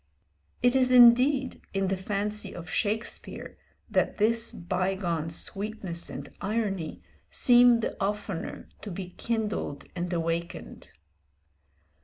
It is indeed in the fancy of Shakespeare that this bygone sweetness and irony seem the oftener to be kindled and awakened.